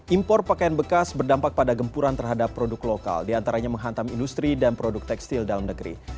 impor pakaian bekas berdampak pada gempuran terhadap produk lokal diantaranya menghantam industri dan produk tekstil dalam negeri